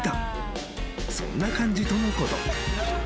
［そんな感じとのこと］